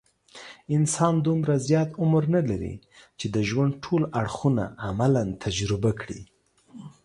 انسان دومره زیات عمر نه لري، چې د ژوند ټول اړخونه عملاً تجربه کړي.